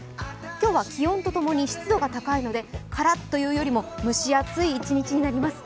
今日は気温と共に湿度が高いので、カラッというよりも蒸し暑い一日になります。